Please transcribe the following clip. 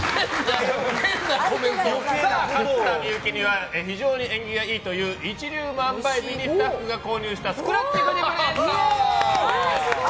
勝った幸には非常に縁起のいいという一粒万倍日にスタッフが購入したスクラッチくじをプレゼント！